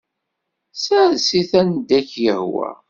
Sers-it anda i k-yehwa.